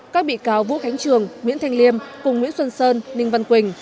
các bị cáo vũ khánh trường nguyễn thanh liêm cùng nguyễn xuân sơn ninh văn quỳnh